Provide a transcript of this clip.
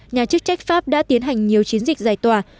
nhà chức trách pháp đã tiến hành nhiều chiến dịch giải tỏa